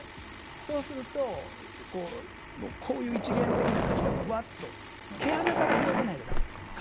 そうすると、こういう一元的な価値観が、ぶわっと毛穴から広げないとダメです。